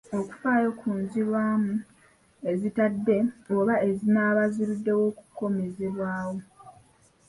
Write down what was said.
Okufaayo ku nzirwamu ezitadde oba ezinaaba ziruddewo okukomezebwawo.